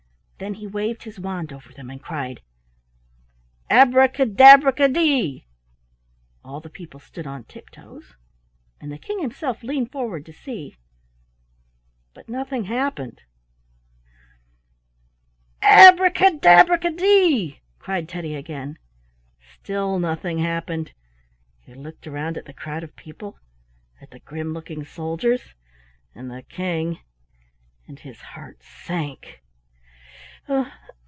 Then he waved his wand over them and cried "Abraca dabraca dee!" All the people stood on tiptoes, and the King himself leaned forward to see, — but nothing happened. "Abraca dabraca dee!" cried Teddy again. Still nothing happened; he looked around at the crowd of people, at the grim looking soldiers, and the King, and his heart sank.